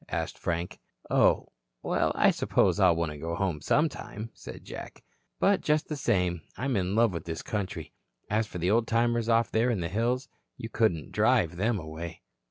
asked Frank. "Oh, well, I suppose I'll want to go home sometime," said Jack. "But just the same, I'm in love with this country. As for the old timers off there in the hills, you couldn't drive them away."